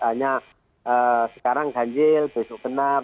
hanya sekarang ganjil besok genap